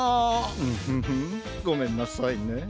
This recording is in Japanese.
ウフフごめんなさいね。